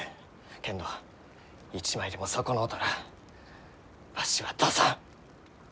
けんど一枚でも損のうたらわしは出さん！